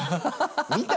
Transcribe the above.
見た？